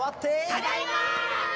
「ただいま！」